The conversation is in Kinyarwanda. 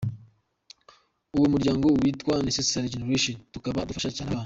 Uwo muryango witwa Necessary Generation, tukaba dufasha cyane abana.